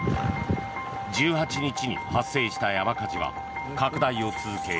１８日に発生した山火事は拡大を続け